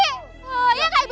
iya kak ibu